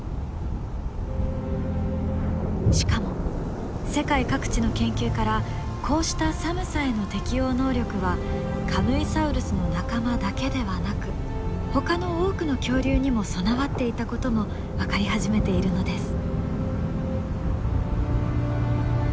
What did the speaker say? しかも世界各地の研究からこうした寒さへの適応能力はカムイサウルスの仲間だけではなくほかの多くの恐竜にも備わっていたことも分かり始めているのです。